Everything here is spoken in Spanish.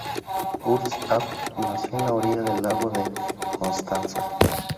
Urs App nació en la orilla del Lago de Constanza.